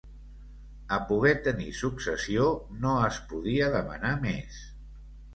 A poguer tenir successió, no es podia demanar més.